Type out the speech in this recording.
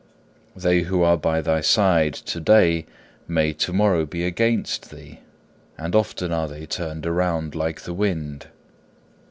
They who are on thy side to day, may to morrow be against thee, and often are they turned round like the wind.